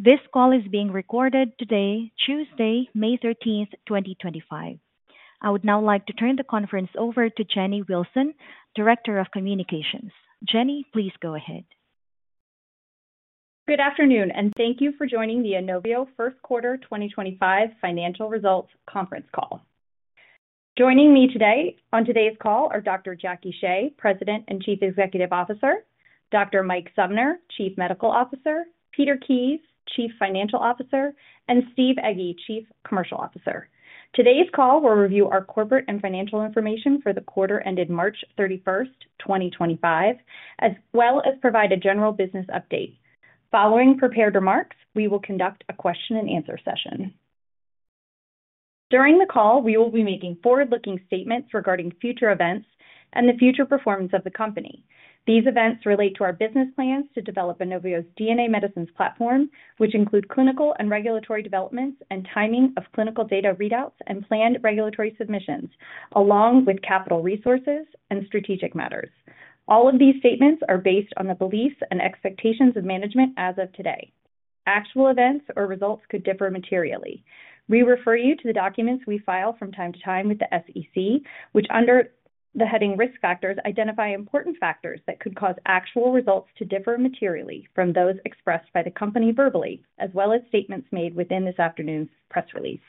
This call is being recorded today, Tuesday, May 13, 2025. I would now like to turn the conference over to Jennie Willson, Director of Communications. Jenny, please go ahead. Good afternoon, and thank you for joining the Inovio First Quarter 2025 Financial Results Conference Call. Joining me today on today's call are Dr. Jacqueline Shea, President and Chief Executive Officer; Dr. Mike Sumner, Chief Medical Officer; Peter Kies, Chief Financial Officer; and Steve Egge, Chief Commercial Officer. Today's call will review our corporate and financial information for the quarter ended March 31, 2025, as well as provide a general business update. Following prepared remarks, we will conduct a question-and-answer session. During the call, we will be making forward-looking statements regarding future events and the future performance of the company. These events relate to our business plans to develop Inovio's DNA medicines platform, which include clinical and regulatory developments and timing of clinical data readouts and planned regulatory submissions, along with capital resources and strategic matters. All of these statements are based on the beliefs and expectations of management as of today. Actual events or results could differ materially. We refer you to the documents we file from time to time with the SEC, which, under the heading Risk Factors, identify important factors that could cause actual results to differ materially from those expressed by the company verbally, as well as statements made within this afternoon's press release.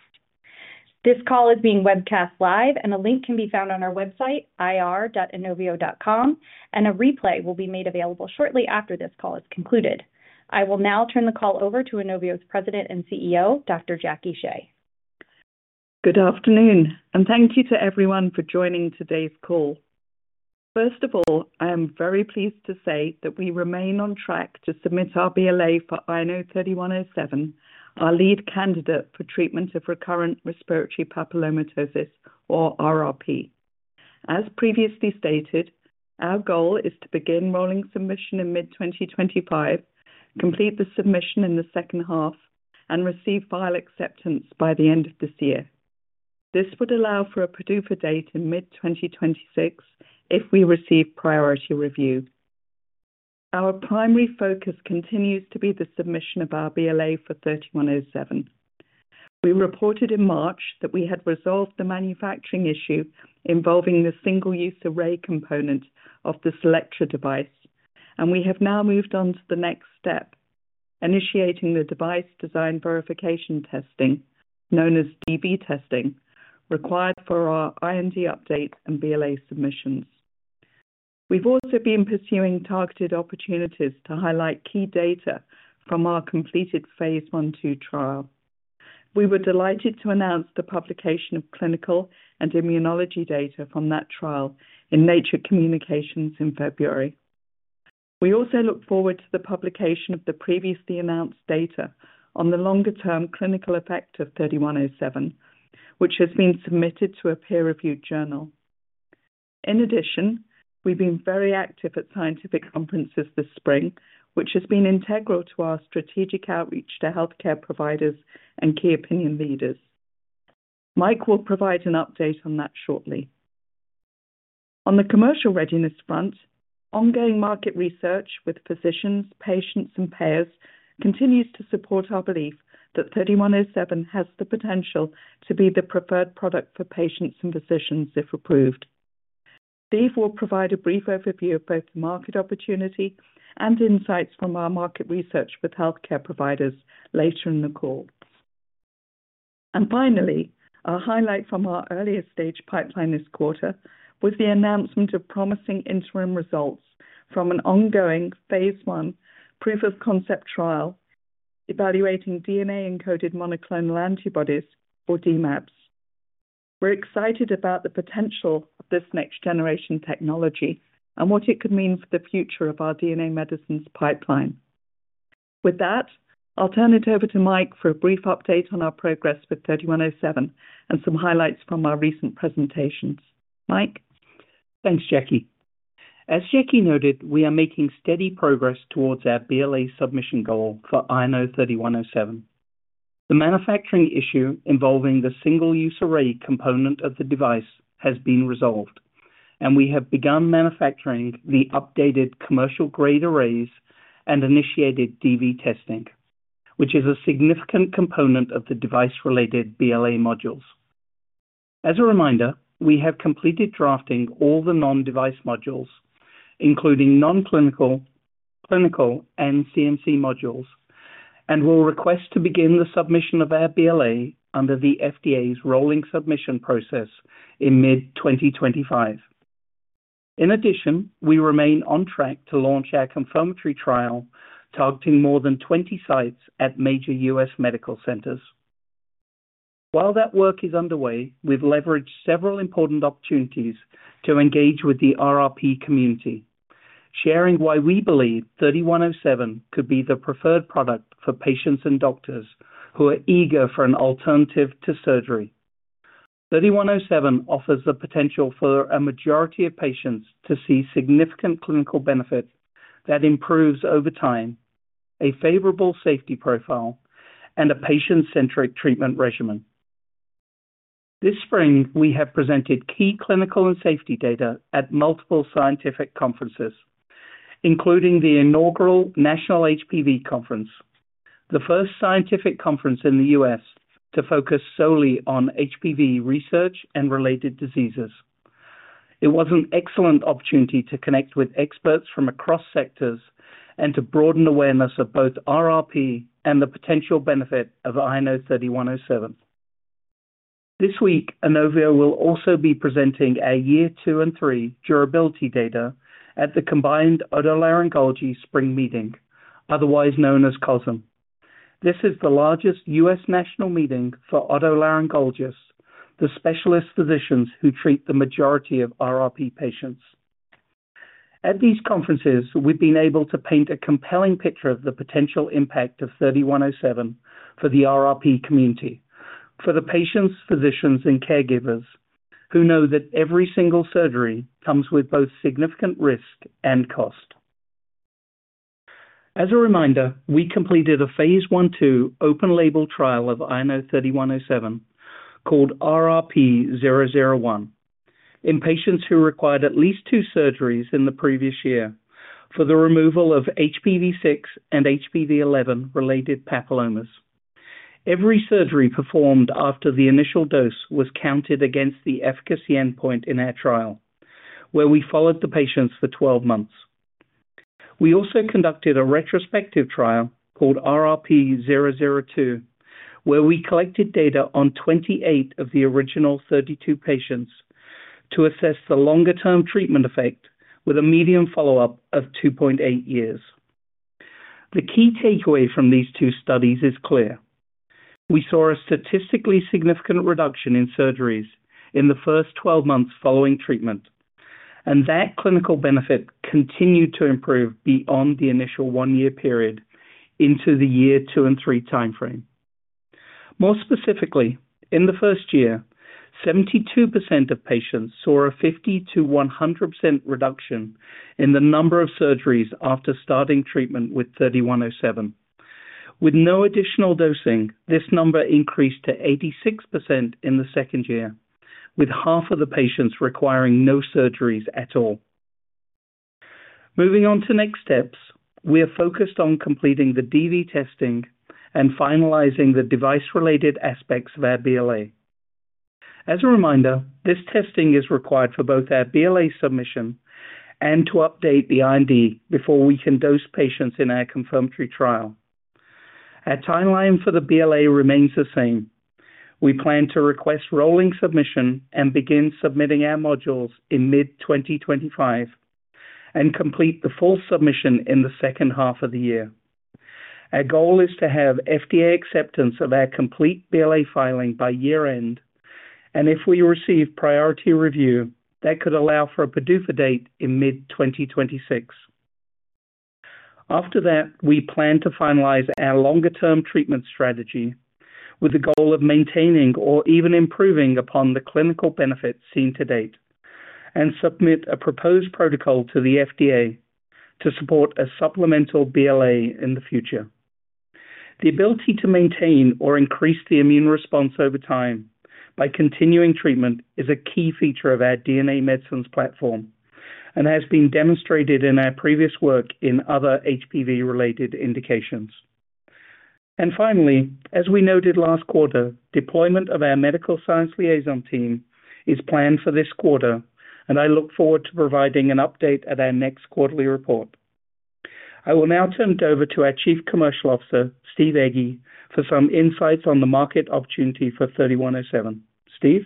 This call is being webcast live, and a link can be found on our website, ir-inovio.com, and a replay will be made available shortly after this call is concluded. I will now turn the call over to Inovio's President and CEO, Dr. Jacqueline Shea. Good afternoon, and thank you to everyone for joining today's call. First of all, I am very pleased to say that we remain on track to submit our BLA for INO-3107, our lead candidate for treatment of recurrent respiratory papillomatosis, or RRP. As previously stated, our goal is to begin rolling submission in mid-2025, complete the submission in the second half, and receive file acceptance by the end of this year. This would allow for a PDUFA date in mid-2026 if we receive priority review. Our primary focus continues to be the submission of our BLA for INO-3107. We reported in March that we had resolved the manufacturing issue involving the single-use array component of this CELLECTRA device, and we have now moved on to the next step, initiating the device design verification testing, known as DV testing, required for our IND update and BLA submissions. We've also been pursuing targeted opportunities to highlight key data from our completed phase 1-2 trial. We were delighted to announce the publication of clinical and immunology data from that trial in Nature Communications in February. We also look forward to the publication of the previously announced data on the longer-term clinical effect of 3107, which has been submitted to a peer-reviewed journal. In addition, we've been very active at scientific conferences this spring, which has been integral to our strategic outreach to healthcare providers and key opinion leaders. Mike will provide an update on that shortly. On the commercial readiness front, ongoing market research with physicians, patients, and payers continues to support our belief that 3107 has the potential to be the preferred product for patients and physicians if approved. Steve will provide a brief overview of both the market opportunity and insights from our market research with healthcare providers later in the call. Finally, a highlight from our earlier stage pipeline this quarter was the announcement of promising interim results from an ongoing phase 1 proof-of-concept trial evaluating DNA-encoded monoclonal antibodies, or DMAPs. We're excited about the potential of this next-generation technology and what it could mean for the future of our DNA medicines pipeline. With that, I'll turn it over to Mike for a brief update on our progress with 3107 and some highlights from our recent presentations. Mike. Thanks, Jacquie. As Jacquie noted, we are making steady progress towards our BLA submission goal for INO-3107. The manufacturing issue involving the single-use array component of the device has been resolved, and we have begun manufacturing the updated commercial-grade arrays and initiated DV testing, which is a significant component of the device-related BLA modules. As a reminder, we have completed drafting all the non-device modules, including non-clinical, clinical, and CMC modules, and will request to begin the submission of our BLA under the FDA's rolling submission process in mid-2025. In addition, we remain on track to launch our confirmatory trial targeting more than 20 sites at major U.S. medical centers. While that work is underway, we've leveraged several important opportunities to engage with the RRP community, sharing why we believe 3107 could be the preferred product for patients and doctors who are eager for an alternative to surgery. INO-3107 offers the potential for a majority of patients to see significant clinical benefit that improves over time, a favorable safety profile, and a patient-centric treatment regimen. This spring, we have presented key clinical and safety data at multiple scientific conferences, including the inaugural National HPV Conference, the first scientific conference in the U.S. to focus solely on HPV research and related diseases. It was an excellent opportunity to connect with experts from across sectors and to broaden awareness of both RRP and the potential benefit of INO-3107. This week, Inovio will also be presenting our year 2 and year 3 durability data at the Combined Otolaryngology Spring Meeting, otherwise known as COSM. This is the largest U.S. national meeting for otolaryngologists, the specialist physicians who treat the majority of RRP patients. At these conferences, we've been able to paint a compelling picture of the potential impact of 3107 for the RRP community, for the patients, physicians, and caregivers who know that every single surgery comes with both significant risk and cost. As a reminder, we completed a phase 1-2 open-label trial of INO-3107 called RRP 001 in patients who required at least two surgeries in the previous year for the removal of HPV6 and HPV11-related papillomas. Every surgery performed after the initial dose was counted against the efficacy endpoint in our trial, where we followed the patients for 12 months. We also conducted a retrospective trial called RRP 002, where we collected data on 28 of the original 32 patients to assess the longer-term treatment effect with a median follow-up of 2.8 years. The key takeaway from these two studies is clear. We saw a statistically significant reduction in surgeries in the first 12 months following treatment, and that clinical benefit continued to improve beyond the initial one-year period into the year 2 and year 3 timeframe. More specifically, in the first year, 72% of patients saw a 50%-100% reduction in the number of surgeries after starting treatment with 3107. With no additional dosing, this number increased to 86% in the second year, with half of the patients requiring no surgeries at all. Moving on to next steps, we are focused on completing the DV testing and finalizing the device-related aspects of our BLA. As a reminder, this testing is required for both our BLA submission and to update the IND before we can dose patients in our confirmatory trial. Our timeline for the BLA remains the same. We plan to request rolling submission and begin submitting our modules in mid-2025 and complete the full submission in the second half of the year. Our goal is to have FDA acceptance of our complete BLA filing by year-end, and if we receive priority review, that could allow for a PDUFA date in mid-2026. After that, we plan to finalize our longer-term treatment strategy with the goal of maintaining or even improving upon the clinical benefits seen to date and submit a proposed protocol to the FDA to support a supplemental BLA in the future. The ability to maintain or increase the immune response over time by continuing treatment is a key feature of our DNA medicines platform and has been demonstrated in our previous work in other HPV-related indications. Finally, as we noted last quarter, deployment of our Medical Science Liaison team is planned for this quarter, and I look forward to providing an update at our next quarterly report. I will now turn it over to our Chief Commercial Officer, Steve Egge, for some insights on the market opportunity for 3107. Steve?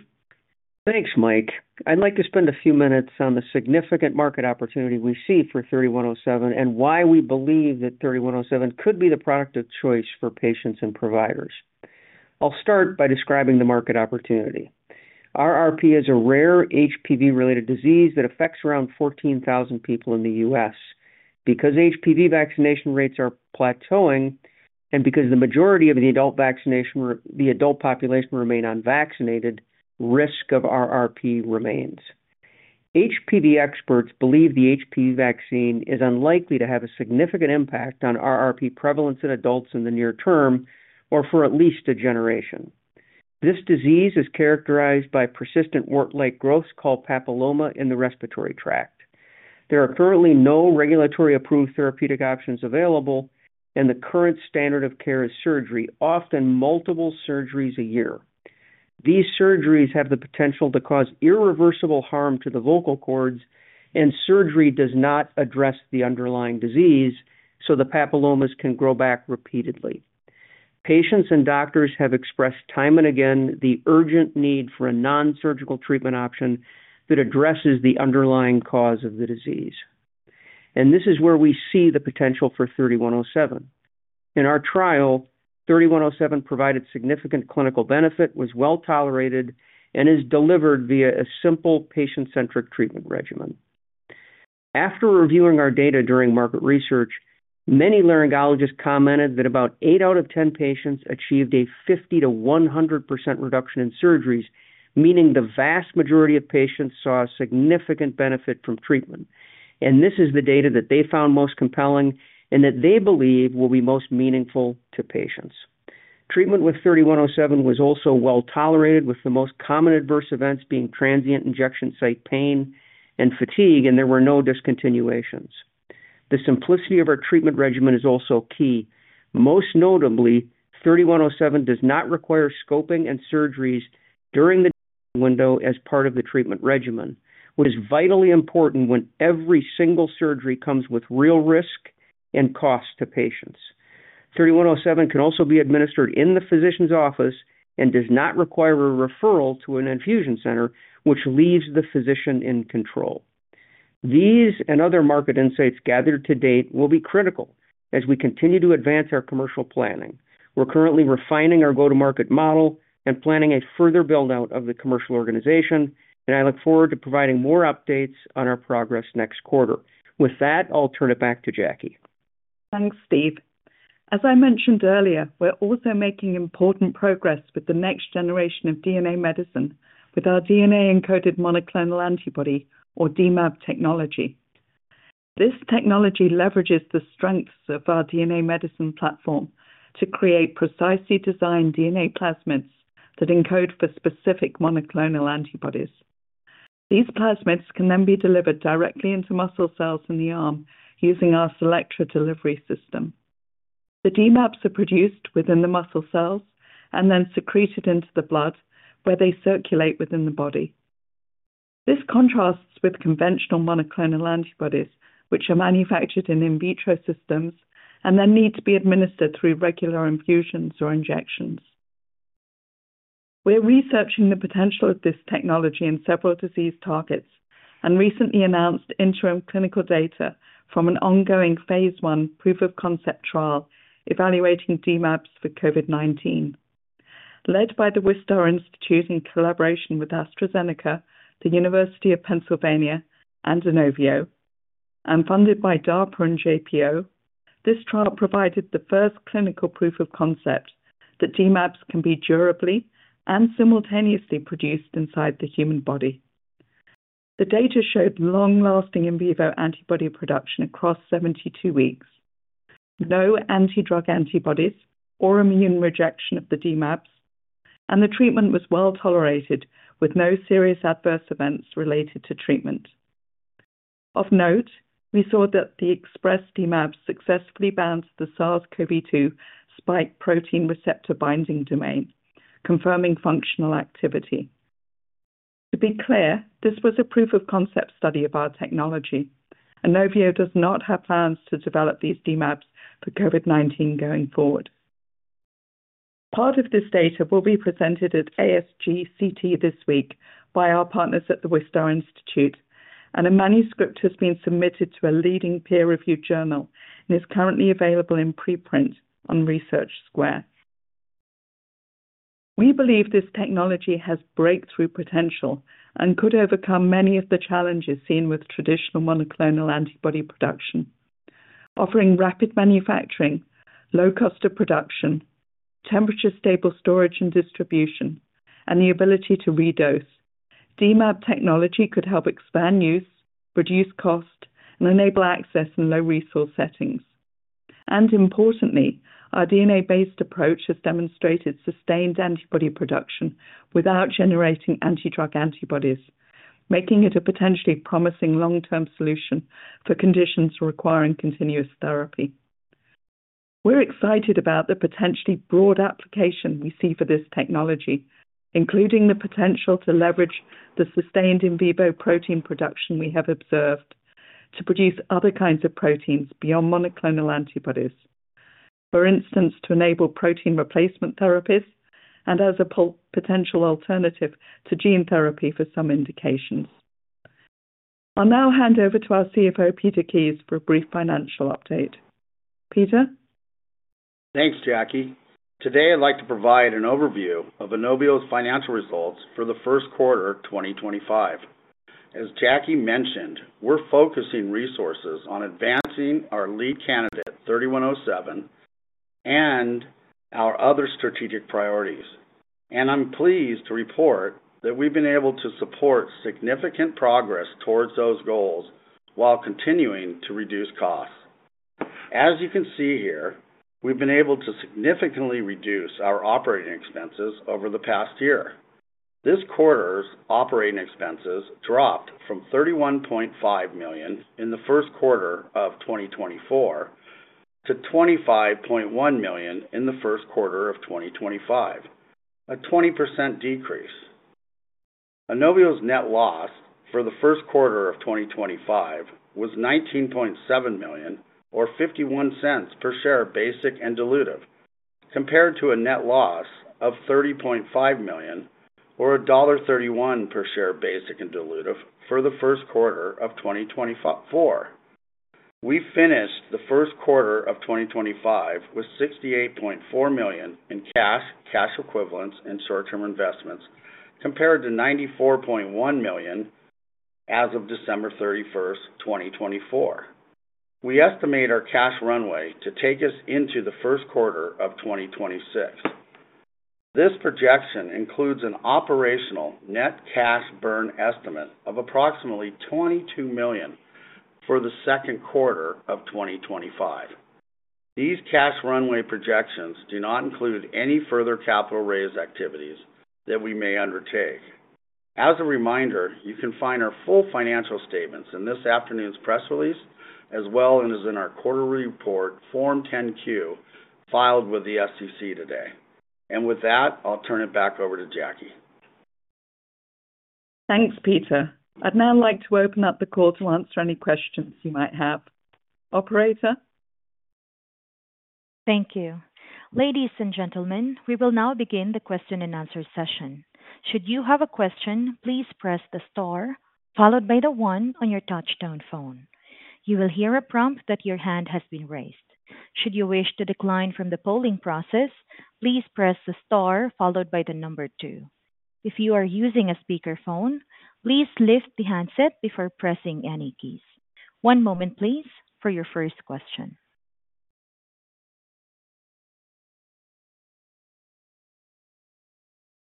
Thanks, Mike. I'd like to spend a few minutes on the significant market opportunity we see for 3107 and why we believe that 3107 could be the product of choice for patients and providers. I'll start by describing the market opportunity. RRP is a rare HPV-related disease that affects around 14,000 people in the U.S. Because HPV vaccination rates are plateauing and because the majority of the adult population remain unvaccinated, risk of RRP remains. HPV experts believe the HPV vaccine is unlikely to have a significant impact on RRP prevalence in adults in the near term or for at least a generation. This disease is characterized by persistent wart-like growths called papilloma in the respiratory tract. There are currently no regulatory-approved therapeutic options available, and the current standard of care is surgery, often multiple surgeries a year. These surgeries have the potential to cause irreversible harm to the vocal cords, and surgery does not address the underlying disease, so the papillomas can grow back repeatedly. Patients and doctors have expressed time and again the urgent need for a non-surgical treatment option that addresses the underlying cause of the disease. This is where we see the potential for 3107. In our trial, 3107 provided significant clinical benefit, was well tolerated, and is delivered via a simple patient-centric treatment regimen. After reviewing our data during market research, many laryngologists commented that about eight out of 10 patients achieved a 50%-100% reduction in surgeries, meaning the vast majority of patients saw a significant benefit from treatment. This is the data that they found most compelling and that they believe will be most meaningful to patients. Treatment with 3107 was also well tolerated, with the most common adverse events being transient injection site pain and fatigue, and there were no discontinuations. The simplicity of our treatment regimen is also key. Most notably, 3107 does not require scoping and surgeries during the window as part of the treatment regimen, which is vitally important when every single surgery comes with real risk and cost to patients. 3107 can also be administered in the physician's office and does not require a referral to an infusion center, which leaves the physician in control. These and other market insights gathered to date will be critical as we continue to advance our commercial planning. We're currently refining our go-to-market model and planning a further build-out of the commercial organization, and I look forward to providing more updates on our progress next quarter. With that, I'll turn it back to Jacquie. Thanks, Steve. As I mentioned earlier, we're also making important progress with the next generation of DNA medicine with our DNA-encoded monoclonal antibody, or DMAP technology. This technology leverages the strengths of our DNA medicines platform to create precisely designed DNA plasmids that encode for specific monoclonal antibodies. These plasmids can then be delivered directly into muscle cells in the arm using our CELLECTRA delivery system. The DMAPs are produced within the muscle cells and then secreted into the blood, where they circulate within the body. This contrasts with conventional monoclonal antibodies, which are manufactured in in vitro systems and then need to be administered through regular infusions or injections. We're researching the potential of this technology in several disease targets and recently announced interim clinical data from an ongoing phase 1 proof-of-concept trial evaluating DMAPs for COVID-19. Led by the Wistar Institute in collaboration with AstraZeneca, the University of Pennsylvania, and Inovio, and funded by DARPA and JPO, this trial provided the first clinical proof-of-concept that DMAPs can be durably and simultaneously produced inside the human body. The data showed long-lasting in vivo antibody production across 72 weeks, no antidrug antibodies or immune rejection of the DMAPs, and the treatment was well tolerated with no serious adverse events related to treatment. Of note, we saw that the expressed DMAPs successfully bound to the SARS-CoV-2 spike protein receptor binding domain, confirming functional activity. To be clear, this was a proof-of-concept study of our technology. Inovio does not have plans to develop these DMAPs for COVID-19 going forward. Part of this data will be presented at ASGCT this week by our partners at the Wistar Institute, and a manuscript has been submitted to a leading peer-reviewed journal and is currently available in preprint on Research Square. We believe this technology has breakthrough potential and could overcome many of the challenges seen with traditional monoclonal antibody production. Offering rapid manufacturing, low cost of production, temperature-stable storage and distribution, and the ability to re-dose, DMAP technology could help expand use, reduce cost, and enable access in low-resource settings. Importantly, our DNA-based approach has demonstrated sustained antibody production without generating antidrug antibodies, making it a potentially promising long-term solution for conditions requiring continuous therapy. We're excited about the potentially broad application we see for this technology, including the potential to leverage the sustained in vivo protein production we have observed to produce other kinds of proteins beyond monoclonal antibodies. For instance, to enable protein replacement therapies and as a potential alternative to gene therapy for some indications. I'll now hand over to our CFO, Peter Kies, for a brief financial update. Peter? Thanks, Jacquie. Today, I'd like to provide an overview of Inovio's financial results for the first quarter of 2025. As Jacquie mentioned, we're focusing resources on advancing our lead candidate, 3107, and our other strategic priorities. I'm pleased to report that we've been able to support significant progress towards those goals while continuing to reduce costs. As you can see here, we've been able to significantly reduce our operating expenses over the past year. This quarter's operating expenses dropped from $31.5 million in the first quarter of 2024 to $25.1 million in the first quarter of 2025, a 20% decrease. Inovio's net loss for the first quarter of 2025 was $19.7 million, or $0.51 per share of basic and dilutive, compared to a net loss of $30.5 million, or $1.31 per share of basic and dilutive for the first quarter of 2024. We finished the first quarter of 2025 with $68.4 million in cash, cash equivalents, and short-term investments, compared to $94.1 million as of December 31, 2024. We estimate our cash runway to take us into the first quarter of 2026. This projection includes an operational net cash burn estimate of approximately $22 million for the second quarter of 2025. These cash runway projections do not include any further capital-raise activities that we may undertake. As a reminder, you can find our full financial statements in this afternoon's press release, as well as in our quarterly report, Form 10-Q, filed with the SEC today. I'll turn it back over to Jacqueline. Thanks, Peter. I'd now like to open up the call to answer any questions you might have. Operator? Thank you. Ladies and gentlemen, we will now begin the question-and-answer session. Should you have a question, please press the star followed by the one on your touch-tone phone. You will hear a prompt that your hand has been raised. Should you wish to decline from the polling process, please press the star followed by the number two. If you are using a speakerphone, please lift the handset before pressing any keys. One moment, please, for your first question.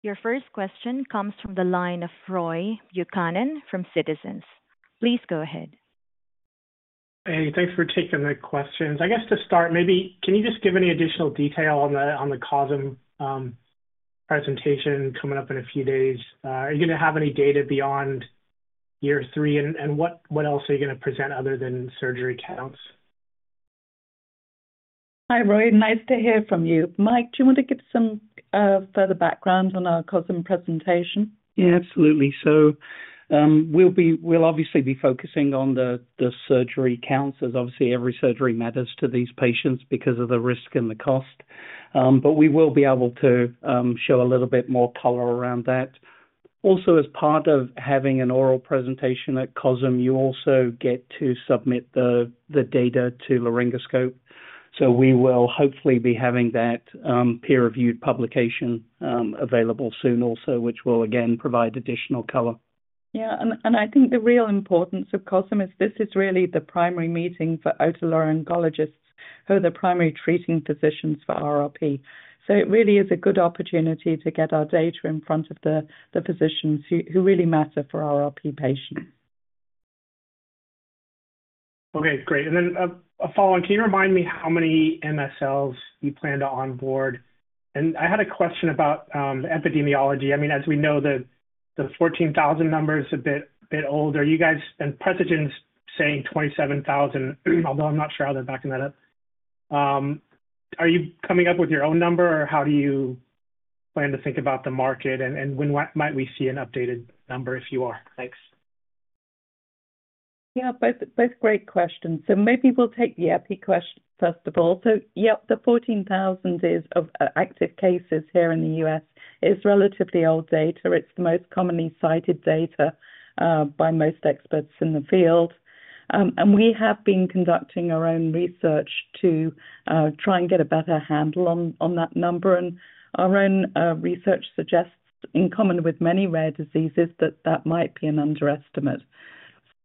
Your first question comes from the line of Roy Buchanan from Citizens. Please go ahead. Hey, thanks for taking the questions. I guess to start, maybe can you just give any additional detail on the COSM presentation coming up in a few days? Are you going to have any data beyond year three? What else are you going to present other than surgery counts? Hi, Roy. Nice to hear from you. Mike, do you want to give some further background on our COSM presentation? Yeah, absolutely. We will obviously be focusing on the surgery counts, as obviously every surgery matters to these patients because of the risk and the cost. We will be able to show a little bit more color around that. Also, as part of having an oral presentation at COSM, you also get to submit the data to Laryngoscope. We will hopefully be having that peer-reviewed publication available soon also, which will, again, provide additional color. Yeah. I think the real importance of COSM is this is really the primary meeting for otolaryngologists, who are the primary treating physicians for RRP. It really is a good opportunity to get our data in front of the physicians who really matter for RRP patients. Okay, great. A follow-on, can you remind me how many MSLs you plan to onboard? I had a question about epidemiology. I mean, as we know, the 14,000 number is a bit old. Are you guys and Precigen saying 27,000, although I'm not sure how they're backing that up? Are you coming up with your own number, or how do you plan to think about the market? When might we see an updated number if you are? Thanks. Yeah, both great questions. Maybe we'll take the Epi question first of all. Yeah, the 14,000 active cases here in the U.S. is relatively old data. It's the most commonly cited data by most experts in the field. We have been conducting our own research to try and get a better handle on that number. Our own research suggests, in common with many rare diseases, that that might be an underestimate.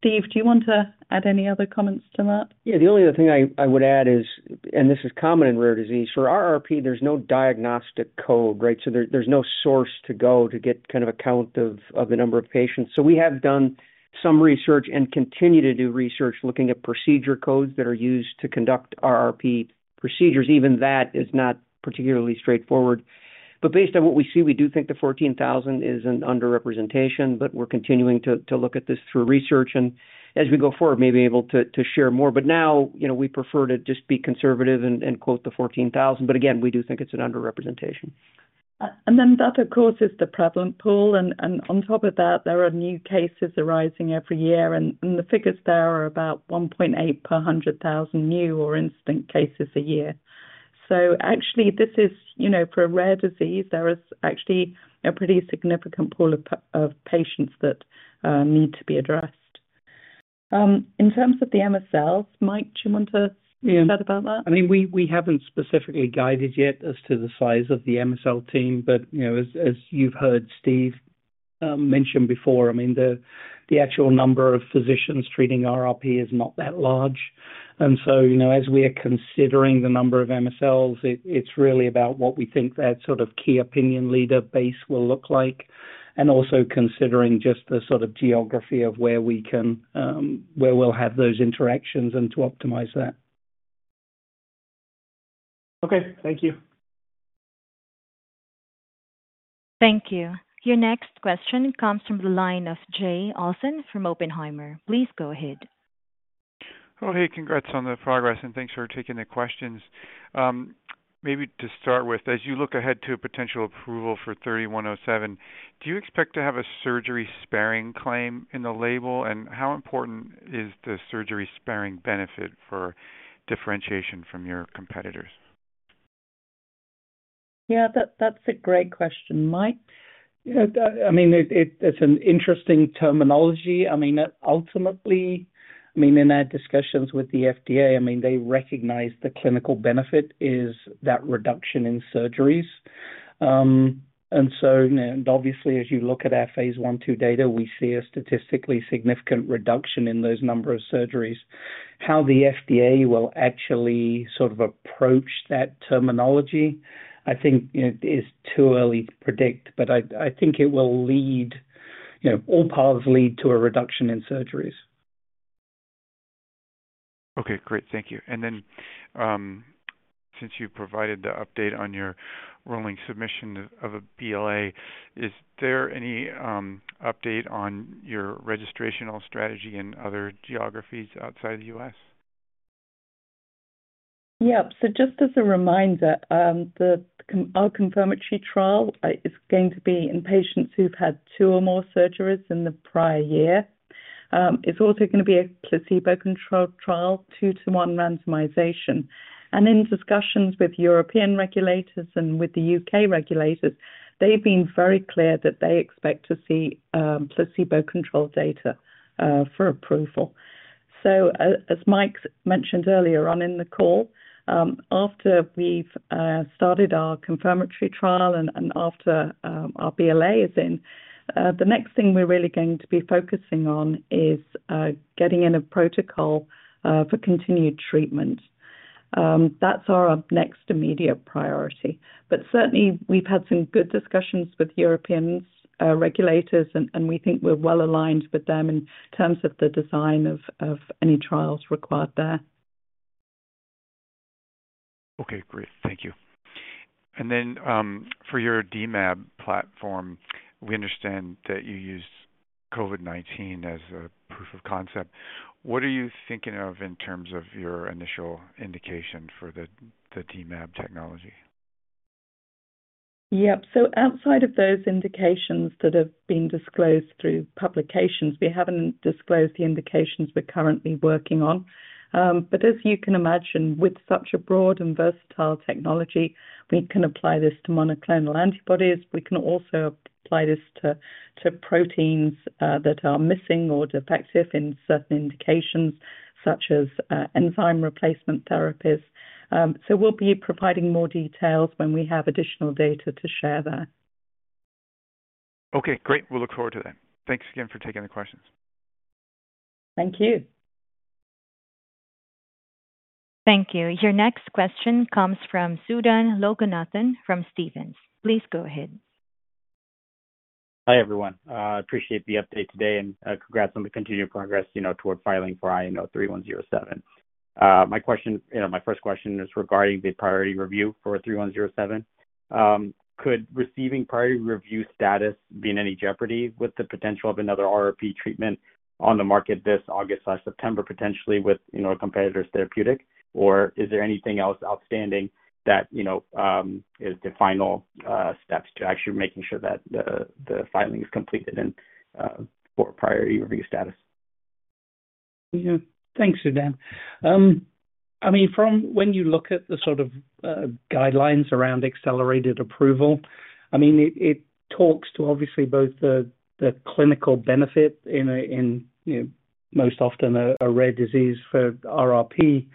Steve, do you want to add any other comments to that? Yeah, the only other thing I would add is, and this is common in rare disease, for RRP, there's no diagnostic code, right? So there's no source to go to get kind of a count of the number of patients. So we have done some research and continue to do research looking at procedure codes that are used to conduct RRP procedures. Even that is not particularly straightforward. Based on what we see, we do think the 14,000 is an underrepresentation, but we're continuing to look at this through research. As we go forward, maybe able to share more. For now we prefer to just be conservative and quote the 14,000. Again, we do think it's an underrepresentation. That, of course, is the problem pool. On top of that, there are new cases arising every year. The figures there are about 1.8 per 100,000 new or incident cases a year. For a rare disease, there is actually a pretty significant pool of patients that need to be addressed. In terms of the MSLs, Mike, do you want to chat about that? Yeah. I mean, we haven't specifically guided yet as to the size of the MSL team. But as you've heard Steve mention before, I mean, the actual number of physicians treating RRP is not that large. As we are considering the number of MSLs, it's really about what we think that sort of key opinion leader base will look like. Also considering just the sort of geography of where we'll have those interactions and to optimize that. Okay. Thank you. Thank you. Your next question comes from the line of Jay Olson from Oppenheimer. Please go ahead. Oh, hey, congrats on the progress, and thanks for taking the questions. Maybe to start with, as you look ahead to a potential approval for 3107, do you expect to have a surgery sparing claim in the label? How important is the surgery sparing benefit for differentiation from your competitors? Yeah, that's a great question. Mike? Yeah. I mean, it's an interesting terminology. I mean, ultimately, in our discussions with the FDA, they recognize the clinical benefit is that reduction in surgeries. And so obviously, as you look at our phase 1/2 data, we see a statistically significant reduction in those number of surgeries. How the FDA will actually sort of approach that terminology, I think it is too early to predict, but I think it will lead all paths lead to a reduction in surgeries. Okay, great. Thank you. Since you provided the update on your rolling submission of a BLA, is there any update on your registration strategy in other geographies outside the U.S.? Yeah. So just as a reminder, the confirmatory trial is going to be in patients who've had two or more surgeries in the prior year. It's also going to be a placebo-controlled trial, two-to-one randomization. In discussions with European regulators and with the U.K. regulators, they've been very clear that they expect to see placebo-controlled data for approval. As Mike mentioned earlier on in the call, after we've started our confirmatory trial and after our BLA is in, the next thing we're really going to be focusing on is getting in a protocol for continued treatment. That's our next immediate priority. Certainly, we've had some good discussions with European regulators, and we think we're well aligned with them in terms of the design of any trials required there. Okay, great. Thank you. For your DMAP platform, we understand that you use COVID-19 as a proof of concept. What are you thinking of in terms of your initial indication for the DMAP technology? Yeah. Outside of those indications that have been disclosed through publications, we have not disclosed the indications we are currently working on. As you can imagine, with such a broad and versatile technology, we can apply this to monoclonal antibodies. We can also apply this to proteins that are missing or defective in certain indications, such as enzyme replacement therapies. We will be providing more details when we have additional data to share there. Okay, great. We'll look forward to that. Thanks again for taking the questions. Thank you. Thank you. Your next question comes from Sudan Loganathan from Stephens. Please go ahead. Hi, everyone. I appreciate the update today and congrats on the continued progress toward filing for INO-3107. My first question is regarding the priority review for 3107. Could receiving priority review status be in any jeopardy with the potential of another RRP treatment on the market this August/September, potentially with a competitor's therapeutic? Or is there anything else outstanding that is the final steps to actually making sure that the filing is completed for priority review status? Yeah. Thanks, Sudan. I mean, from when you look at the sort of guidelines around accelerated approval, I mean, it talks to obviously both the clinical benefit in most often a rare disease for RRP,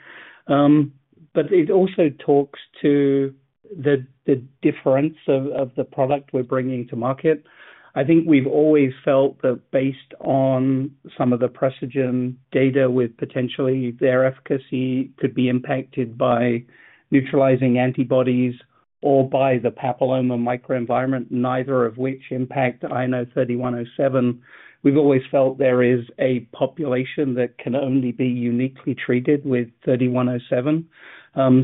but it also talks to the difference of the product we're bringing to market. I think we've always felt that based on some of the Precigen data with potentially their efficacy could be impacted by neutralizing antibodies or by the papilloma microenvironment, neither of which impact INO-3107. We've always felt there is a population that can only be uniquely treated with 3107.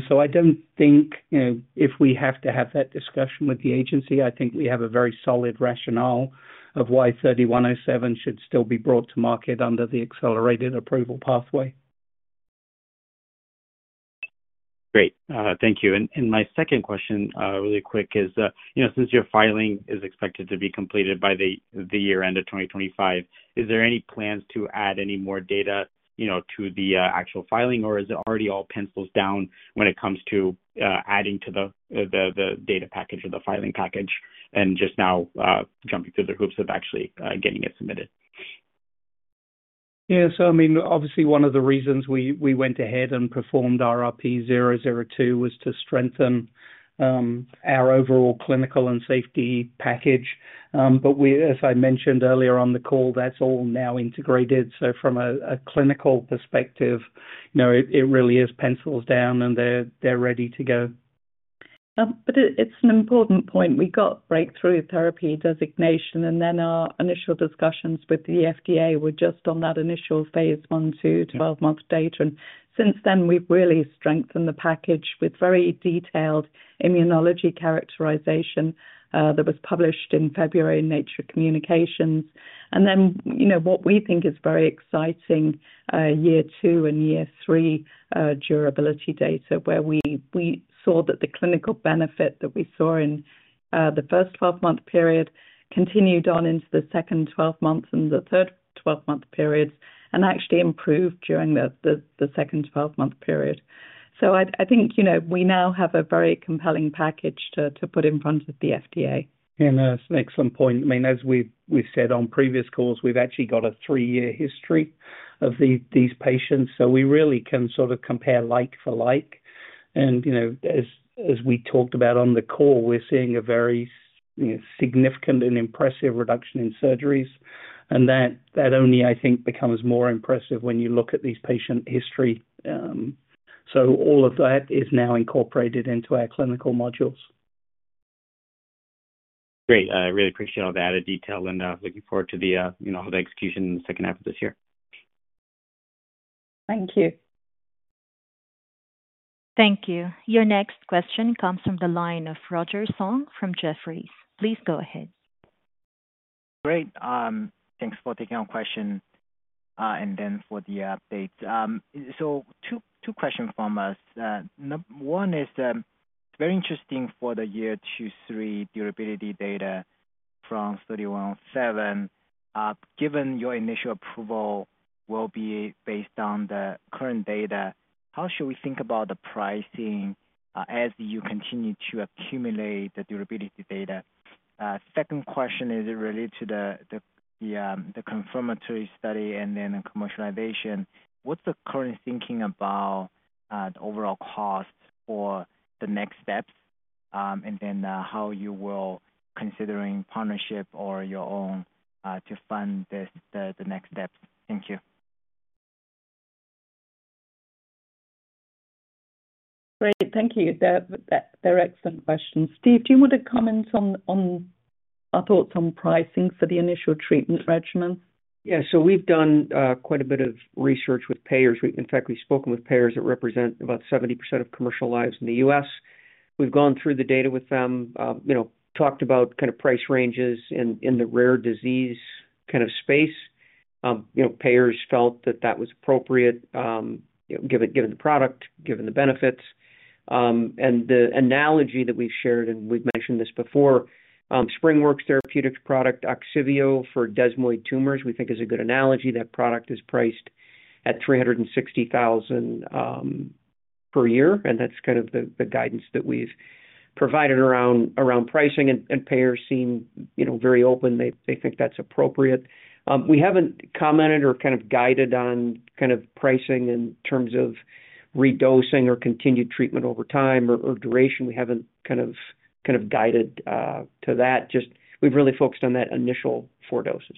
So I don't think if we have to have that discussion with the agency, I think we have a very solid rationale of why 3107 should still be brought to market under the accelerated approval pathway. Great. Thank you. My second question, really quick, is since your filing is expected to be completed by the year end of 2025, is there any plans to add any more data to the actual filing, or is it already all pencils down when it comes to adding to the data package or the filing package and just now jumping through the hoops of actually getting it submitted? Yeah. So I mean, obviously, one of the reasons we went ahead and performed RRP 002 was to strengthen our overall clinical and safety package. As I mentioned earlier on the call, that's all now integrated. From a clinical perspective, it really is pencils down, and they're ready to go. It's an important point. We got breakthrough therapy designation, and then our initial discussions with the FDA were just on that initial phase 1/2, 12-month data. Since then, we've really strengthened the package with very detailed immunology characterization that was published in February in Nature Communications. What we think is very exciting is year two and year three durability data, where we saw that the clinical benefit that we saw in the first 12-month period continued on into the second 12 months and the third 12-month periods and actually improved during the second 12-month period. I think we now have a very compelling package to put in front of the FDA. Yeah, that's an excellent point. I mean, as we've said on previous calls, we've actually got a three-year history of these patients. We really can sort of compare like for like. As we talked about on the call, we're seeing a very significant and impressive reduction in surgeries. That only, I think, becomes more impressive when you look at these patient history. All of that is now incorporated into our clinical modules. Great. I really appreciate all the added detail, and looking forward to the execution in the second half of this year. Thank you. Thank you. Your next question comes from the line of Roger Song from Jefferies. Please go ahead. Great. Thanks for taking our question and then for the updates. Two questions from us. One is very interesting for the year two, year three durability data from 3107. Given your initial approval will be based on the current data, how should we think about the pricing as you continue to accumulate the durability data? Second question is related to the confirmatory study and then the commercialization. What's the current thinking about the overall cost for the next steps? How you will considering partnership or your own to fund the next steps? Thank you. Great. Thank you. They're excellent questions. Steve, do you want to comment on our thoughts on pricing for the initial treatment regimens? Yeah. We've done quite a bit of research with payers. In fact, we've spoken with payers that represent about 70% of commercial lives in the U.S. We've gone through the data with them, talked about kind of price ranges in the rare disease kind of space. Payers felt that that was appropriate given the product, given the benefits. The analogy that we've shared, and we've mentioned this before, Springworks Therapeutics product Ogsiveo for desmoid tumors, we think is a good analogy. That product is priced at $360,000 per year. That's kind of the guidance that we've provided around pricing. Payers seem very open. They think that's appropriate. We haven't commented or kind of guided on kind of pricing in terms of redosing or continued treatment over time or duration. We haven't kind of guided to that. We've really focused on that initial four doses.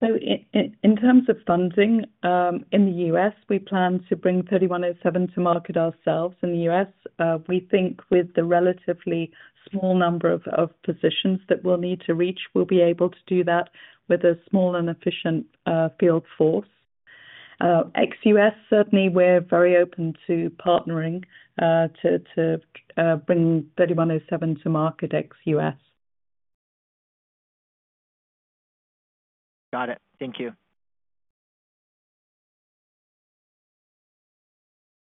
In terms of funding, in the U.S., we plan to bring 3107 to market ourselves in the U.S. We think with the relatively small number of positions that we'll need to reach, we'll be able to do that with a small and efficient field force. XUS, certainly, we're very open to partnering to bring 3107 to market XUS. Got it. Thank you.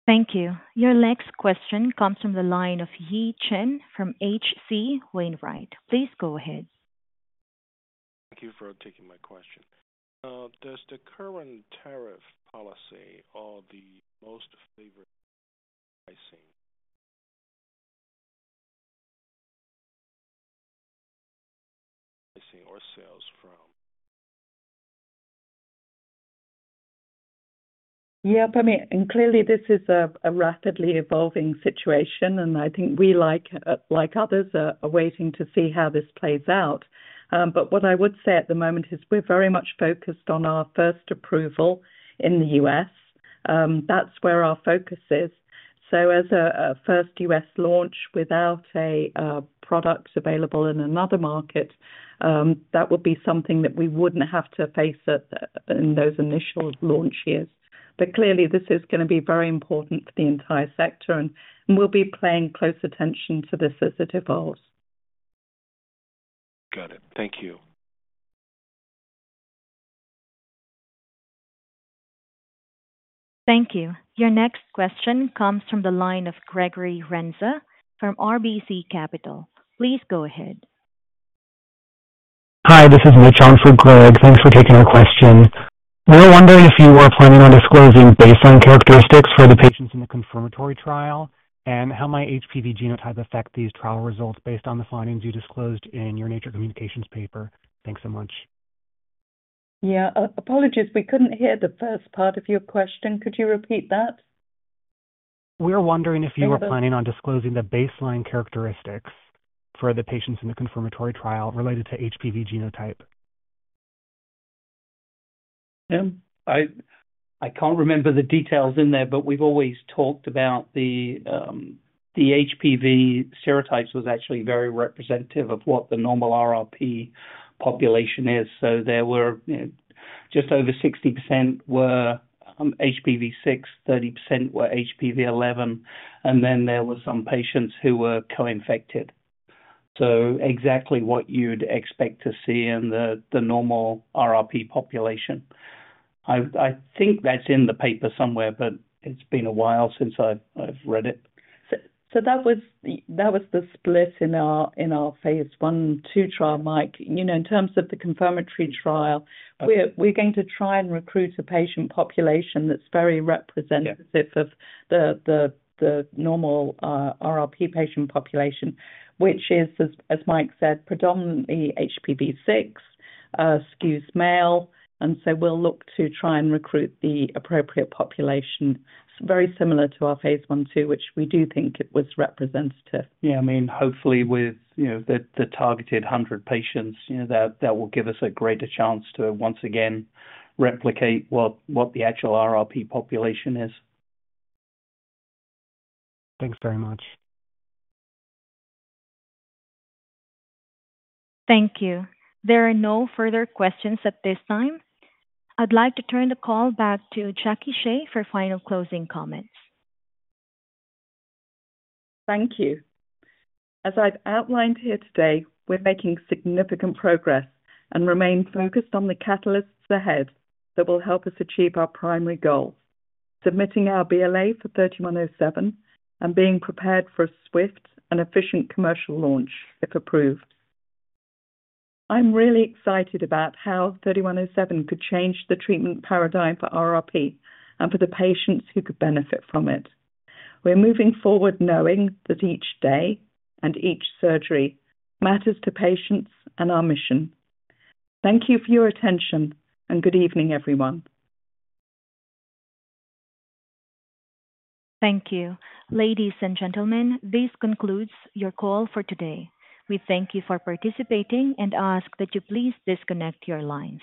Thank you. Your next question comes from the line of Yi Chen from H.C. Wainwright. Please go ahead. Thank you for taking my question. Does the current tariff policy or the most favored pricing or sales form? Yeah. I mean, and clearly, this is a rapidly evolving situation. I think we, like others, are waiting to see how this plays out. What I would say at the moment is we're very much focused on our first approval in the U.S. That's where our focus is. As a first U.S. launch without a product available in another market, that would be something that we wouldn't have to face in those initial launch years. Clearly, this is going to be very important for the entire sector. We'll be paying close attention to this as it evolves. Got it. Thank you. Thank you. Your next question comes from the line of Gregory Renza from RBC Capital. Please go ahead. Hi, this is Mitch on for Greg. Thanks for taking our question. We were wondering if you were planning on disclosing baseline characteristics for the patients in the confirmatory trial and how might HPV genotype affect these trial results based on the findings you disclosed in your Nature Communications paper? Thanks so much. Yeah. Apologies, we couldn't hear the first part of your question. Could you repeat that? We're wondering if you were planning on disclosing the baseline characteristics for the patients in the confirmatory trial related to HPV genotype. Yeah. I can't remember the details in there, but we've always talked about the HPV serotypes was actually very representative of what the normal RRP population is. There were just over 60% were HPV6, 30% were HPV11, and then there were some patients who were co-infected. Exactly what you'd expect to see in the normal RRP population. I think that's in the paper somewhere, but it's been a while since I've read it. That was the split in our phase 1/2 trial, Mike. In terms of the confirmatory trial, we're going to try and recruit a patient population that's very representative of the normal RRP patient population, which is, as Mike said, predominantly HPV6, SKUS male. We'll look to try and recruit the appropriate population. It's very similar to our phase 1/2, which we do think was representative. Yeah. I mean, hopefully, with the targeted 100 patients, that will give us a greater chance to once again replicate what the actual RRP population is. Thanks very much. Thank you. There are no further questions at this time. I'd like to turn the call back to Jacqueline Shea for final closing comments. Thank you. As I've outlined here today, we're making significant progress and remain focused on the catalysts ahead that will help us achieve our primary goals: submitting our BLA for 3107 and being prepared for a swift and efficient commercial launch if approved. I'm really excited about how 3107 could change the treatment paradigm for RRP and for the patients who could benefit from it. We're moving forward knowing that each day and each surgery matters to patients and our mission. Thank you for your attention, and good evening, everyone. Thank you. Ladies and gentlemen, this concludes your call for today. We thank you for participating and ask that you please disconnect your lines.